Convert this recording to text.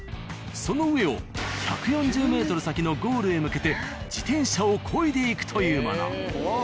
その上を１４０ｍ先のゴールへ向けて自転車をこいでいくというもの。